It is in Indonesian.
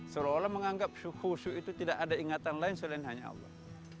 seolah olah menganggap suhu khusyuk itu tidak ada ingatan lain selain hanya allah